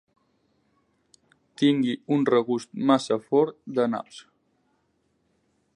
Tingui un regust massa fort de naps.